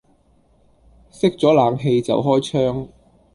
熄咗冷氣就開窗